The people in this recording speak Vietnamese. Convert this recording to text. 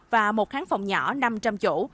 và một kháng phòng nhỏ năm trăm linh chỗ